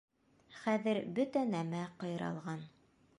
Хәҙер бөтә нәмә ҡыйралған.